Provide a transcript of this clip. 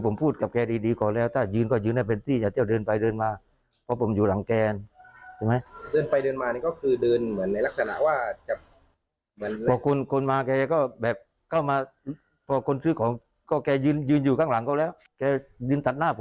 ไม่เคยโกรธอะไรแบบนี้